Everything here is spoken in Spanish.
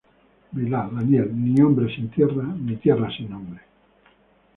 Vilá, Daniel: "Ni hombres sin tierras, ni tierras sin hombres".